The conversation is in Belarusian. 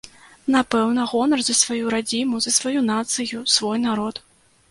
Напэўна, гонар за сваю радзіму, за сваю нацыю, свой народ.